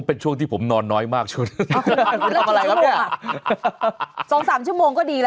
เป็นช่วงที่ผมนอนน้อยมากช่วงนี้ทำอะไรครับเนี่ยสองสามชั่วโมงก็ดีแล้ว